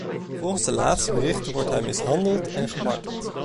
Volgens de laatste berichten wordt hij mishandeld en gemarteld.